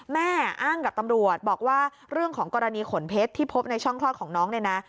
แม่อ้างกับตำรวจบอกว่าเรื่องของกรณีขนเพชรที่พบในช่องคลอดของน้องเนี่ยนะ